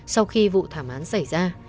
sau khi vụ thảm án xảy ra